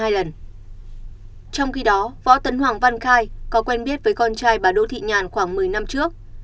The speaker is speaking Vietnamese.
trong khi đó võ tấn hoàng văn khai có quen biết với con trai bà đỗ thị nhàn khoảng một mươi năm trước